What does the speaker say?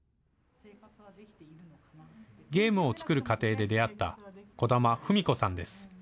ゲームを作る過程で出会った児玉文子さんです。